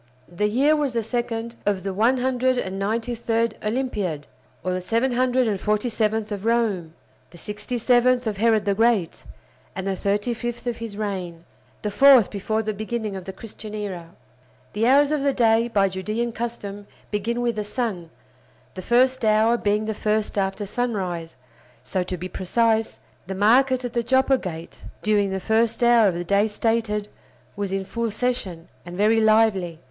The year was the second of the 193d Olympiad, or the 747th of Rome; the sixty seventh of Herod the Great, and the thirty fifth of his reign; the fourth before the beginning of the Christian era. The hours of the day, by Judean custom, begin with the sun, the first hour being the first after sunrise; so, to be precise; the market at the Joppa Gate during the first hour of the day stated was in full session, and very lively.